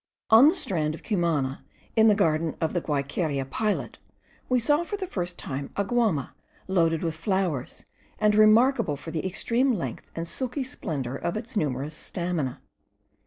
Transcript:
On the strand of Cumana, in the garden of the Guayqueria pilot, we saw for the first time a guama* loaded with flowers, and remarkable for the extreme length and silvery splendour of its numerous stamina.